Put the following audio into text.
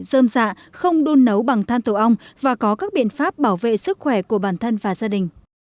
dơm dạ không đun nấu bằng than tổ ong và có các biện pháp bảo vệ sức khỏe của bản thân và gia đình